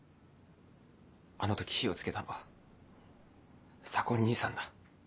あの時火をつけたのは左紺兄さんだ。